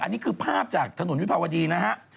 อันนี้คือภาพจากถนนวิภาวดีนะฮะ